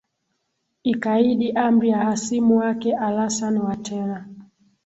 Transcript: ikaidi amri ya hasimu wake alasan watera